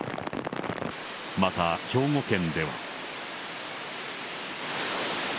また、兵庫県では。